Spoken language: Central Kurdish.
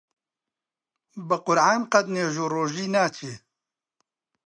بە قورعان قەت نوێژ و ڕۆژووی ناچێ!